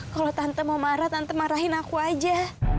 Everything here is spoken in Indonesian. kalau tante mau marah tante marahin aku aja